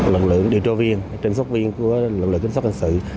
lực lượng điều tra viên trinh sốc viên của lực lượng kiểm soát hình sự